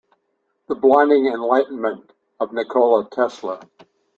The Blinding Enlightenment of Nikola Tesla.